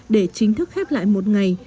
để chính thức khép lại một ngày